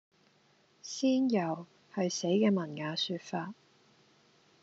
仙遊係死嘅文雅說法